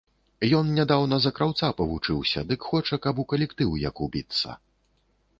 Ён нядаўна за краўца павучыўся, дык хоча, каб у калектыў як убіцца.